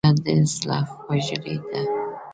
پیاله د زړه خوږلۍ ده.